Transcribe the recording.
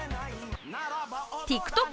ＴｉｋＴｏｋ